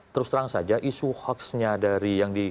terus terang saja isu hoaxnya dari yang di